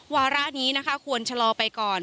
วาระนี้นะคะควรชะลอไปก่อน